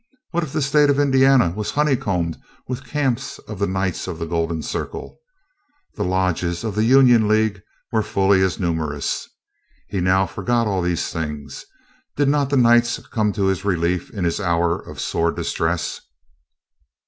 What if the state of Indiana was honeycombed with camps of the Knights of the Golden Circle? The lodges of the Union League were fully as numerous. He now forgot all these things. Did not the Knights come to his relief in his hour of sore distress?